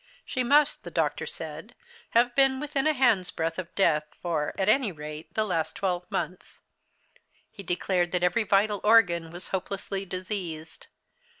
She must, the doctor said, have been within a hand's breadth of death for, at any rate, the last twelve months. He declared that every vital organ was hopelessly diseased.